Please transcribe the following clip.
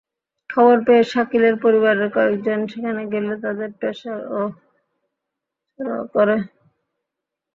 খবর পেয়ে শাকিলের পরিবারের কয়েকজন সেখানে গেলে তাঁদের ওপরও চড়াও হয়।